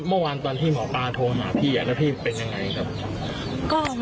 แล้วมันเมื่อมันตอนที่หมอปลาโทรมาพี่อะแล้วพี่เป็นยังไงนะฮะ